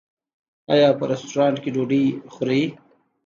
ایا په رستورانت کې ډوډۍ خورئ؟